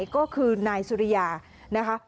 นี่ก็คือนายสุริยานะครับ